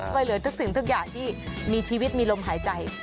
ช่วยเหลือทุกสิ่งทุกอย่างที่มีชีวิตมีลมหายใจ